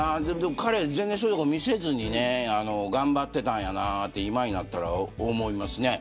彼は全然そういうところを見せずに頑張ってたんやなと今になったら思いますね。